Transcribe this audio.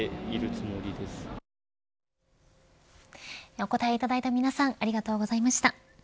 お答えいただいた皆さんありがとうございました。